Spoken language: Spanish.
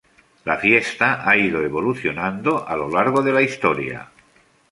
La fiesta ha ido evolucionando a lo largo de la historia.